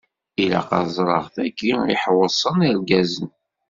Ilaq ad ẓreɣ tagi iḥewwṣen irgazen.